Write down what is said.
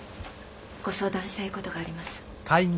ご相談したい事があります。